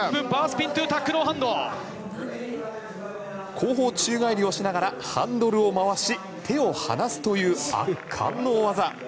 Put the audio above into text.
後方宙返りをしながらハンドルを回し、手を放すという圧巻の大技。